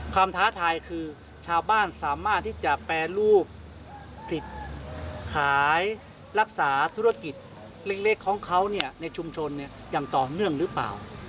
ท้าทายคือชาวบ้านสามารถที่จะแปรรูปผลิตขายรักษาธุรกิจเล็กของเขาในชุมชนอย่างต่อเนื่องหรือเปล่า